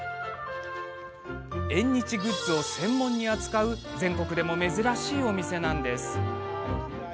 縁日グッズを専門に扱う全国でも珍しいお店です。